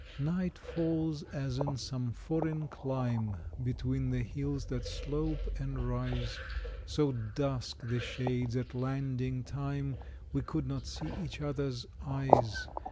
Night falls as in some foreign clime, Between the hills that slope and rise. So dusk the shades at landing time, We could not see each other's eyes.